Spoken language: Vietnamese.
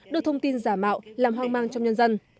đưa thông tin giả mạo làm hoang mang trong nhân dân